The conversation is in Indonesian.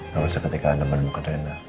kalau seketika anda menemukan rena